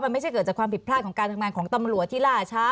มันไม่ใช่เกิดจากความผิดพลาดของการทำงานของตำรวจที่ล่าช้า